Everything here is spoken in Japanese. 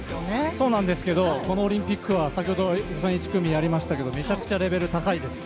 そうなんですけどこのオリンピックは先ほど１組終わりましたがめちゃくちゃレベル高いです。